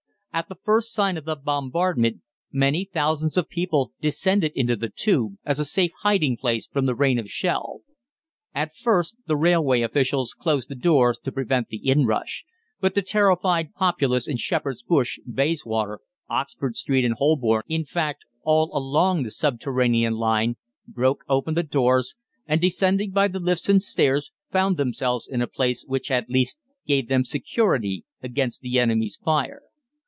At the first sign of the bombardment many thousands of people descended into the "Tube" as a safe hiding place from the rain of shell. At first the railway officials closed the doors to prevent the inrush, but the terrified populace in Shepherd's Bush, Bayswater, Oxford Street, and Holborn, in fact, all along the subterranean line, broke open the doors and descending by the lifts and stairs found themselves in a place which at least gave them security against the enemy's fire.